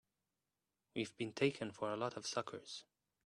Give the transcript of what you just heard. We've been taken for a lot of suckers!